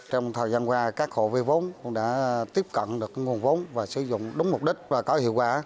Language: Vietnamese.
trong thời gian qua các hộ vi vốn cũng đã tiếp cận được nguồn vốn và sử dụng đúng mục đích và có hiệu quả